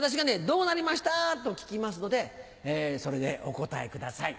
「どうなりました？」と聞きますのでそれでお答えください。